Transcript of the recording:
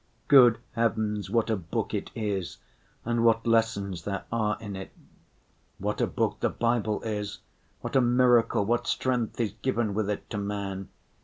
Good heavens, what a book it is, and what lessons there are in it! What a book the Bible is, what a miracle, what strength is given with it to man!